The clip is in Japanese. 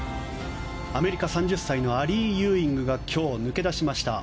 アメリカ、３０歳のアリー・ユーイングが今日、抜け出しました。